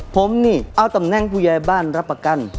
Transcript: ผมนี่เอาตำแหน่งผู้ใหญ่บ้านรับประกัน